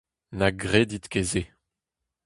Na gredit ket se.